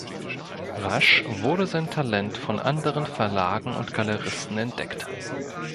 Rasch wurde sein Talent von anderen Verlagen und Galeristen entdeckt.